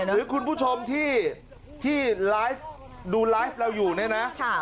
หรือคุณผู้ชมที่ไลฟ์ดูไลฟ์เราอยู่เนี่ยนะ